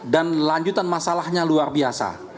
dan lanjutan masalahnya luar biasa